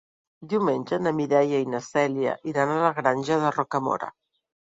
Diumenge na Mireia i na Cèlia iran a la Granja de Rocamora.